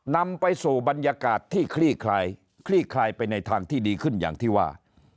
นำไปสู่บรรยากาศที่คลี่คลายคลี่คลายไปในทางที่ดีขึ้นอย่างที่ว่า